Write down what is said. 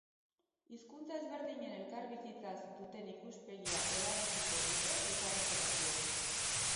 Hizkuntza ezberdinen elkarbizitzaz duten ikuspegia helaraziko dute elkarrizketatuek.